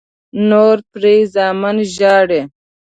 نور پرې زامن ژاړي.